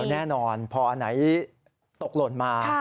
แน่นอนพออันไหนตกหล่นมา